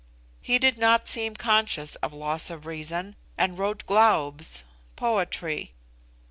He did not seem conscious of loss of reason, and wrote glaubs (poetry).